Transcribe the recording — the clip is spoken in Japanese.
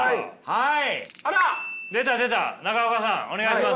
はい？